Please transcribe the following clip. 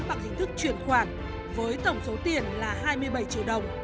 bằng hình thức chuyển khoản với tổng số tiền là hai mươi bảy triệu đồng